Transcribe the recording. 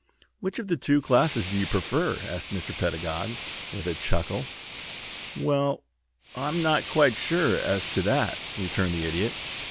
"Which of the two classes do you prefer?" asked Mr. Pedagog, with a chuckle. "Well, I'm not quite sure as to that," returned the Idiot.